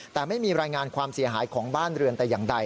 แต่ไม่มีรายงานความเสียหายของบ้านเรือนแต่อย่างใด